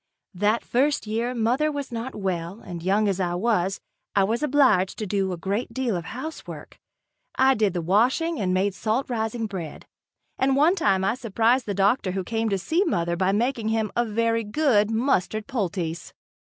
That first year mother was not well and young as I was, I was obliged to do a great deal of housework. I did the washing and made salt rising bread. And one time I surprised the doctor who came to see mother by making him a very good mustard poultice.